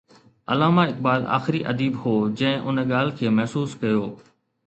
علامه اقبال آخري اديب هو جنهن ان ڳالهه کي محسوس ڪيو.